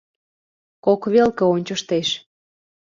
Кок велке ончыштеш.